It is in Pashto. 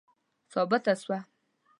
ثابته سوه.